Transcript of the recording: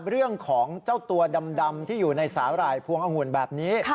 เรื่องของเจ้าตัวดำที่อยู่ในสาหร่ายพวงองุ่นแบบนี้